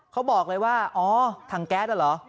เขาบอกเลยว่าอ๋อถังแก๊สอ่ะเหรอ